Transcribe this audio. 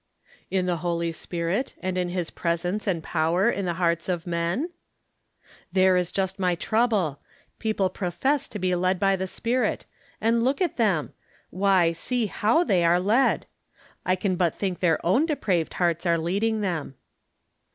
" In the Holy Spirit, and in his presence and power in the hearts of men ?"" There is just my trouble. People profess to be led by the Spirit. And look at them ! Why, see how they are led ! I can but think their own depraved hearts are leading them."